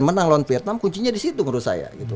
menang lawan vietnam kuncinya di situ menurut saya